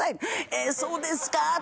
「ええそうですか？」と。